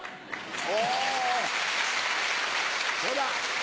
おそうだ！